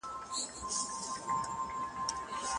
دولت بايد د کليسا د مرستيال په څېر وي.